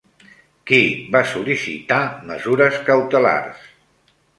Qui va sol·licitar mesures cautelars?